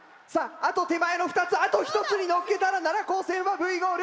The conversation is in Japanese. あと手前の２つあと１つにのっけたら奈良高専はＶゴール！